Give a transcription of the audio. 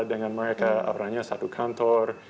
dengan mereka orangnya satu kantor